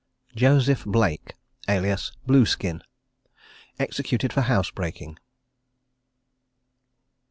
JOSEPH BLAKE, alias BLUESKIN, EXECUTED FOR HOUSEBREAKING.